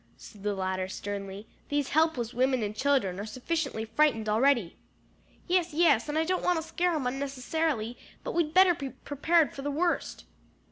said the latter sternly; "these helpless women and children are sufficiently frightened already." "Yes, yes and I don't want to scare 'em unnecessarily; but we'd better be prepared for the worst."